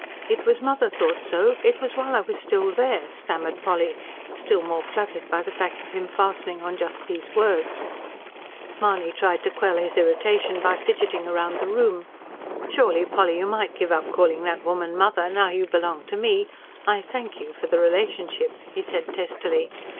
"It was 'mother' thought so it was while I was still there," stammered Polly, still more fluttered by the fact of him fastening on just these words. Mahony tried to quell his irritation by fidgeting round the room. "Surely, Polly, you might give up calling that woman 'mother,' now you belong to me I thank you for the relationship!" he said testily.